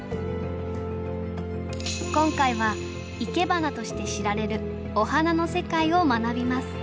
今回はいけばなとして知られるお花の世界を学びます。